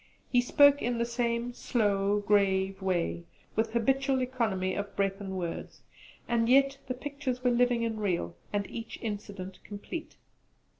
He spoke in the same slow grave way, with habitual economy of breath and words; and yet the pictures were living and real, and each incident complete.